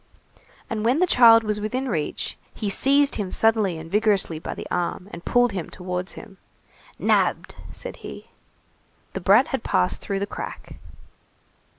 And when the child was within reach, he seized him suddenly and vigorously by the arm, and pulled him towards him. "Nabbed!" said he. The brat had passed through the crack.